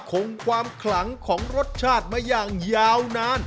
คงความขลังของรสชาติมาอย่างยาวนาน